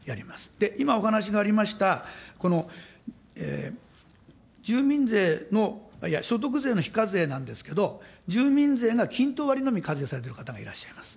で、今、お話がありました、この住民税の、いや、所得税の非課税なんですけど、住民税が均等割りのみ、課税されている方もいらっしゃいます。